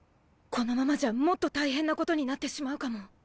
このままじゃもっと大変なことになってしまうかも。